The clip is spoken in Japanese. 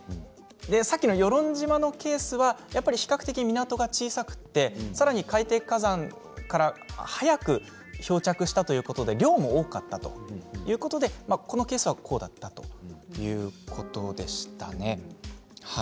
さっきの与論島のケースは比較的港が小さくてさらに海底火山から早く漂着したということで量も多かったということでこのケースはこうだったということでした。